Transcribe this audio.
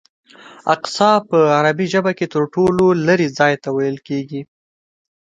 اقصی په عربي ژبه کې تر ټولو لرې ځای ته ویل کېږي.